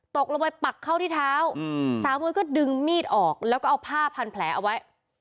ตกลงไปปักเข้าที่เท้าสาวมวยก็ดึงมีดออกแล้วก็เอาผ้าพันแผลเอาไว้